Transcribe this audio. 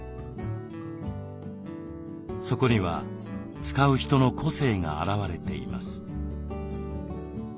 そこには使う人の個性が表れています。